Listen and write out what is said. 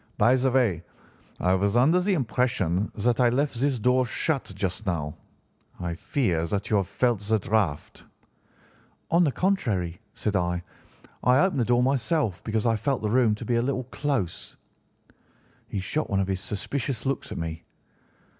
'By the way, I was under the impression that I left this door shut just now. I fear that you have felt the draught.' "'On the contrary,' said I, 'I opened the door myself because I felt the room to be a little close.' "He shot one of his suspicious looks at me.